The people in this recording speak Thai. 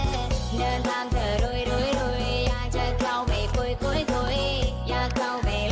เดินทางเธอรุยอยากจะเข้าไปคุยอยากเข้าไปร้อง